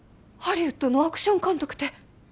ハリウッドのアクション監督て！